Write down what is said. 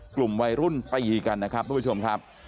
กลุ่มวัยรุ่นตีกันนะครับทุกผู้ชมครับ